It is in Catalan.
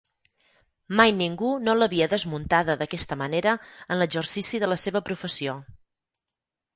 Mai ningú no l'havia desmuntada d'aquesta manera en l'exercici de la seva professió.